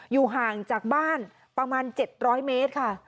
อยู่ห่างจากบ้านประมาณ๗๐๐เมตรค่ะ